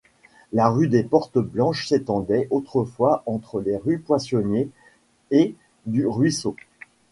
La rue des Portes Blanches s'étendait autrefois entre les rues Poissonniers et du Ruisseau.